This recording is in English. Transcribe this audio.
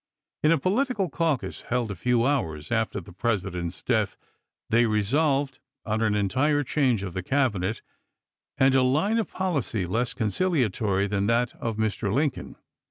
In a political caucus, held a few hours after the President's death, they resolved on an entire change of the Cabinet, and a " line of policy less conciliatory than that of Mr. Lincoln